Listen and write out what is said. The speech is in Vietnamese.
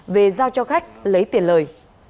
về giao cho khách lấy tiền lời